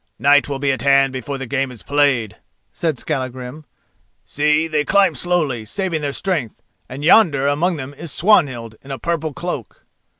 "Night will be at hand before the game is played," said Skallagrim. "See, they climb slowly, saving their strength, and yonder among them is Swanhild in a purple cloak."